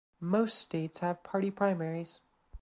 Most states have party primaries.